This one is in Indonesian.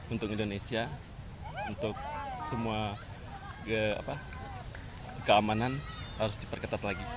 untuk indonesia untuk semua keamanan harus diperketat lagi